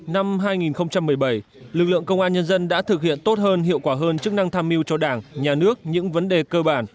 năm hai nghìn một mươi bảy lực lượng công an nhân dân đã thực hiện tốt hơn hiệu quả hơn chức năng tham mưu cho đảng nhà nước những vấn đề cơ bản